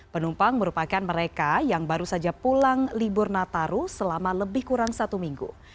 penumpang merupakan mereka yang baru saja pulang libur nataru selama lebih kurang satu minggu